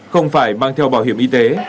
không phải mang theo bảo hiểm y tế